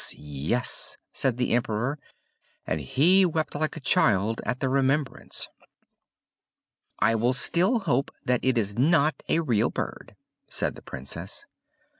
yes!" said the Emperor, and he wept like a child at the remembrance. "I will still hope that it is not a real bird," said the Princess.